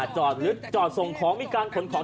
จอดลึกจอดส่งของมีการขนของ